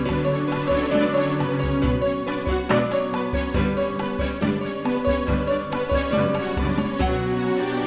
iya aku mau ke cidahu